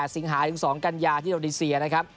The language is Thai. สิงหาถึง๒กัญญาที่โดนีเซียนะครับ